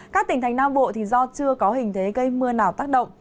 các tỉnh thành nam bộ do chưa có hình thế gây mưa nào tác động